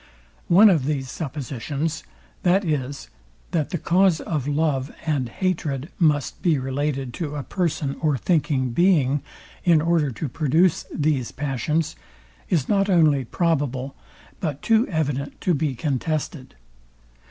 One of these suppositions, viz, that the cause of love and hatred must be related to a person or thinking being, in order to produce these passions, is not only probable, but too evident to be contested.